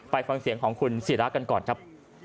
ฟังเสียงของคุณศิรากันก่อนครับ